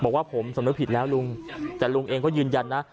บอกว่าผมสำนึกผิดแล้วลุงแต่ลุงเองก็ยืนยันนะ